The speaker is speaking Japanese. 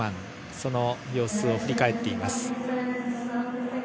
その様子を振り返っています。